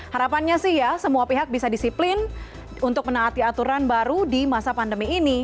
harapannya sih ya semua pihak bisa disiplin untuk menaati aturan baru di masa pandemi ini